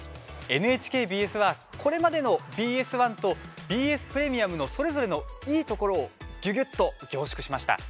ＮＨＫＢＳは、これまでのＢＳ１とＢＳプレミアムのそれぞれのいいところをぎゅぎゅっと凝縮しました。